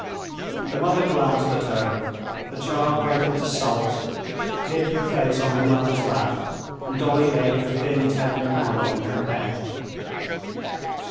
The mother glanced at her. The child broke into sobs, hid her face on her mother's lap, and Dolly laid her thin, tender hand on her head.